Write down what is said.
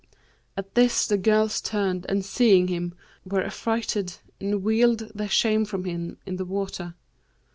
At this the girls turned and seeing him, were affrighted and veiled their shame from him in the water.